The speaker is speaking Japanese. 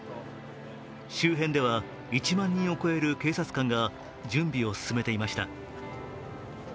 周辺では１万人を超える警察官が準備を進めていました。